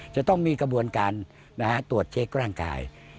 จะต้องมีกระบวนการตรวจเช็คร่างกาย